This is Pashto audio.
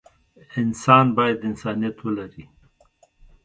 انسان بايد انسانيت ولري.